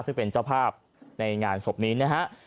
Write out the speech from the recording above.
ซึ่งเป็นเจ้าภาพในงานศพนี้นะฮะ